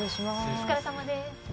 お疲れさまです。